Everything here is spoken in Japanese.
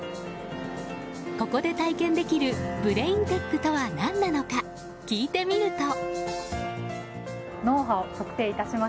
ここで体験できるブレインテックとは何なのか聞いてみると。